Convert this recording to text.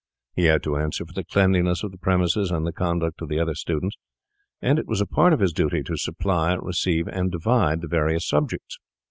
He had to answer for the cleanliness of the premises and the conduct of the other students, and it was a part of his duty to supply, receive, and divide the various subjects.